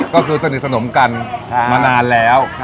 ก็คือสนิทสนมกันมานานแล้ว